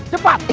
cepat ikat dia